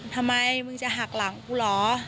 ทำไมมึงจะหักหลังกูเหรอ